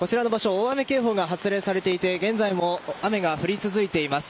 大雨警報が発令されていて現在も雨が降り続いています。